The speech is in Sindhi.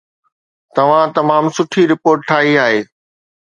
توهان تمام سٺي رپورٽ ٺاهي آهي